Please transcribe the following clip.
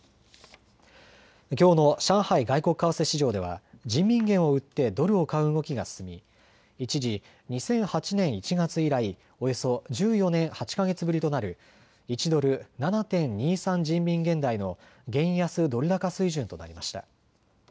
きょうの上海外国為替市場では人民元を売ってドルを買う動きが進み一時、２００８年１月以来、およそ１４年８か月ぶりとなる１ドル７．２３人民元台の元安ドル高水準となりました。